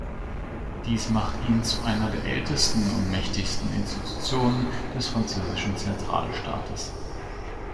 Dies macht ihn zu einer der ältesten und mächtigsten Institutionen des französischen Zentralstaates.